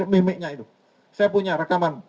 mimiknya itu saya punya rekaman